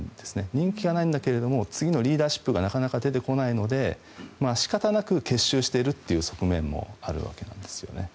人気がないんだけど次のリーダーシップがなかなか出てこないので仕方なく結集しているという側面もあるんですよね。